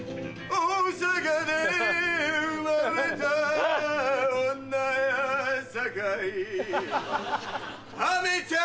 大阪で生まれた女やさかい